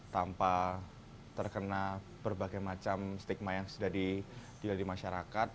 tanpa terkena berbagai macam stigma yang sudah di masyarakat